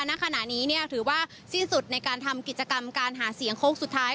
ณขณะนี้ถือว่าสิ้นสุดในการทำกิจกรรมการหาเสียงโค้งสุดท้าย